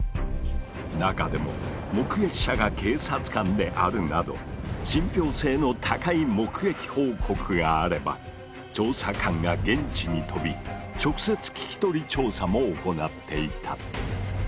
中でも目撃者が警察官であるなど信憑性の高い目撃報告があれば調査官が現地に飛び直接聞き取り調査も行っていた。